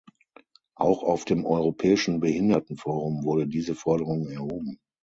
Auch auf dem Europäischen Behindertenforum wurde diese Forderung erhoben.